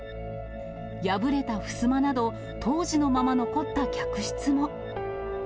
破れたふすまなど、当時のまま残った客室も。